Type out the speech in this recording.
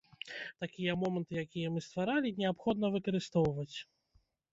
Такія моманты, якія мы стваралі, неабходна выкарыстоўваць.